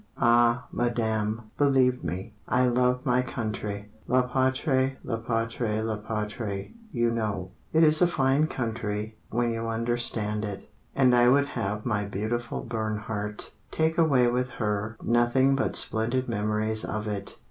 _" Ah, Madame, believe me, I love my country La patrie, la patrie, la patrie, you know: It is a fine country when you understand it, And I would have my beautiful Bernhardt Take away with her Nothing but splendid memories of it.